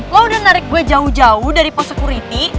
lo udah narik gue jauh jauh dari post security